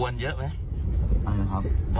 ผมก็เลยยิงประสิทธิ์ใจยิงออกไป